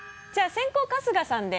先攻春日さんで。